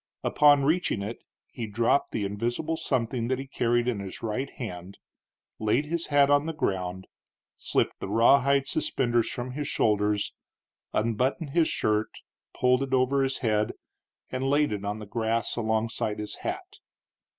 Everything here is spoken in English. Upon reaching it he dropped the invisible something that he carried in his right hand, laid his hat on the ground, slipped the rawhide suspenders from his shoulders, unbuttoned his shirt, pulled it over his head, and laid it on the grass alongside his hat.